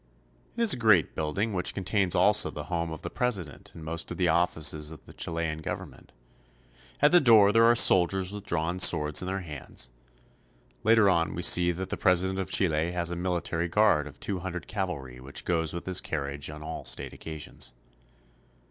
It is a great build ing which contains also the home of the president and most of the offices of the Chilean government. At the door there are soldiers with drawn swords in their hands. Later on we see that the president of Chile has a military guard of two hundred cavalry which goes with his carriage on all state occasions.